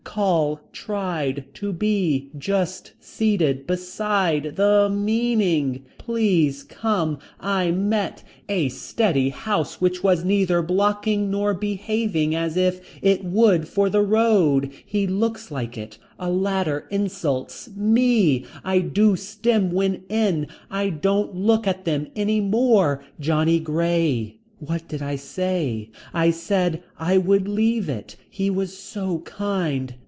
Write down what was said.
Call. Tried. To be. Just. Seated. Beside. The. Meaning. Please come. I met. A steady house which was neither blocking nor behaving as if it would for the road. He looks like it. A ladder insults. Me. I do stem when in. I don't look at them any more. Johnny Grey. What did I say. I said I would leave it. He was so kind.